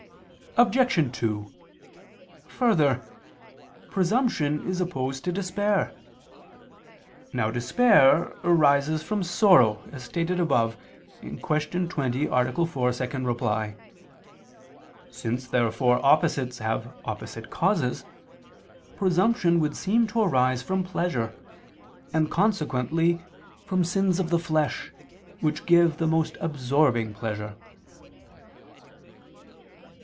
Obj. 2: Further, presumption is opposed to despair. Now despair arises from sorrow, as stated above (Q. 20, A. 4, ad 2). Since therefore opposites have opposite causes, presumption would seem to arise from pleasure, and consequently from sins of the flesh, which give the most absorbing pleasure.